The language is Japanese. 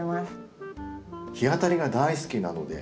日当たりが大好きなので。